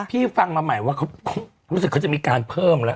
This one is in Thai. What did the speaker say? ฟังมาใหม่ว่าเขารู้สึกเขาจะมีการเพิ่มแล้ว